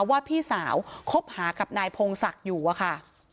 ว่าพี่สาวคบหากับนายพงศักดิ์อยู่อะค่ะ